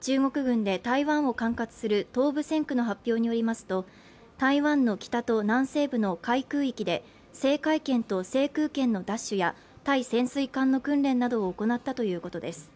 中国軍で台湾を管轄する東部戦区の発表によりますと台湾の北と南西部の海空域で制海権と制空権の奪取や対潜水艦の訓練などを行ったということです。